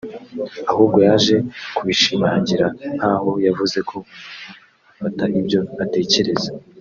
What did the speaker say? ahubwo yaje kubishimangira nk’aho yavuze ko “Umuntu afata ibyo atekereza